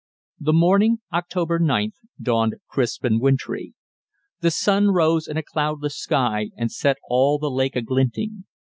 The morning (October 9th) dawned crisp and wintry. The sun rose in a cloudless sky and set all the lake a glinting.